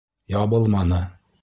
Ябылманы!